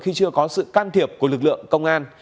khi chưa có sự can thiệp của lực lượng công an